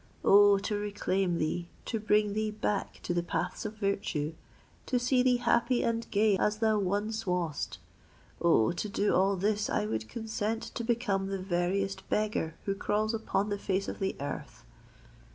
Oh! to reclaim thee—to bring thee back to the paths of virtue—to see thee happy and gay as thou once wast,—Oh! to do all this, I would consent to become the veriest beggar who crawls upon the face of the earth!"